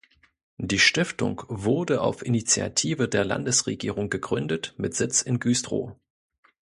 Die Stiftung wurde auf Initiative der Landesregierung gegründet mit Sitz in Güstrow.